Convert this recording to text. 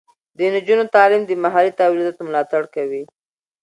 د نجونو تعلیم د محلي تولیداتو ملاتړ کوي.